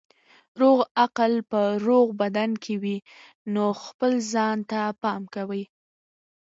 روغ عقل په روغ بدن کې وي نو خپل ځان ته پام کوئ.